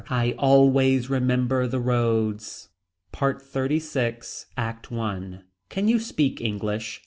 I always remember the roads. PART XXXVI. ACT I. Can you speak English.